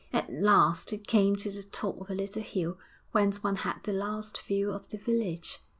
At last he came to the top of a little hill whence one had the last view of the village.